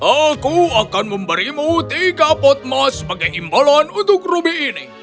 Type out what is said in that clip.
aku akan memberimu tiga pot emas sebagai imbalan untuk rubi ini